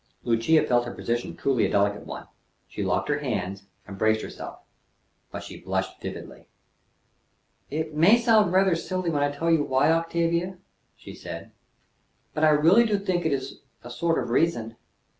Lucia felt her position truly a delicate one. She locked her hands, and braced herself; but she blushed vividly. "It may sound rather silly when I tell you why, Octavia," she said; "but I really do think it is a sort of reason.